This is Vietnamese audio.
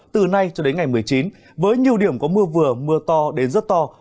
từ nay cho đến ngày một mươi chín với nhiều điểm có mưa vừa mưa to đến rất to